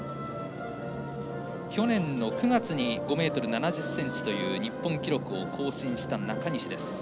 去年の９月に５ｍ７０ｃｍという日本記録を更新した中西。